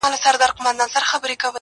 په کټ کټ به په خندا سي!.